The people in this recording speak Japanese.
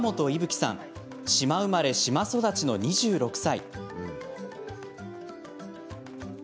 生さん島生まれ、島育ちの２６歳です。